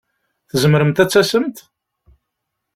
Tzemremt ad d-tasemt?